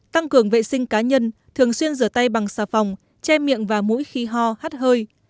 tăng cường vệ sinh cá nhân thường xuyên rửa tay bằng xà phòng che miệng và mũi khi ho hát hơi